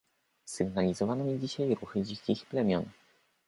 "„Sygnalizowano mi dzisiaj ruchy dzikich plemion."